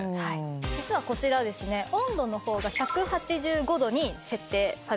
実はこちらですね温度の方が１８５度に設定されてるんですよね。